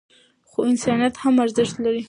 خو انسانیت هم ارزښت لري.